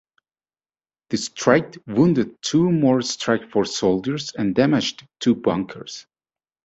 The strike wounded two more Strike Force soldiers and damaged two bunkers.